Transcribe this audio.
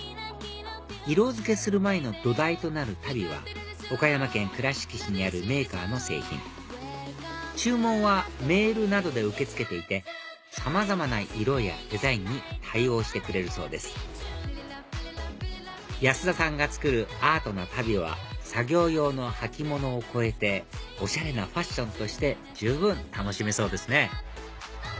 色付けする前の土台となる足袋は岡山県倉敷市にあるメーカーの製品注文はメールなどで受け付けていてさまざまな色やデザインに対応してくれるそうです安田さんが作るアートな足袋は作業用の履物を超えておしゃれなファッションとして十分楽しめそうですね